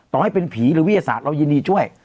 ต่อให้เป็นผีหรือวิทยาศาสตร์เรายินดีช่วย